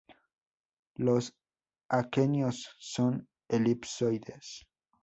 Los aquenios son elipsoides.